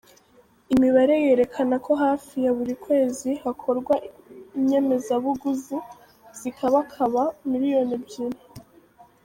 Imibare yerekana ko hafi buri kwezi hakorwa inyemezabuguzi zikabakaba miliyoni ebyiri.